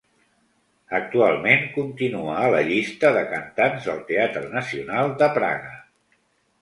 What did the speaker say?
Actualment continua a la llista de cantants del Teatre Nacional de Praga.